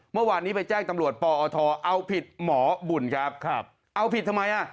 เมื่อวานนี้ไปแจ้งตำรวจปอทเอาผิดหมอบุญครับครับเอาผิดทำไมอ่ะ